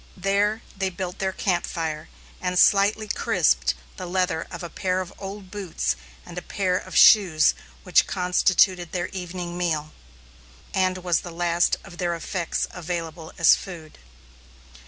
There they built their camp fire and slightly crisped the leather of a pair of old boots and a pair of shoes which constituted their evening meal, and was the last of their effects available as food.